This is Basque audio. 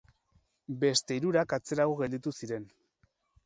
Beste hirurak atzerago gelditu ziren.